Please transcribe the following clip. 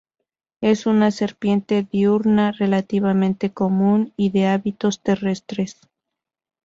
Es una serpiente diurna, relativamente común y de hábitos terrestres.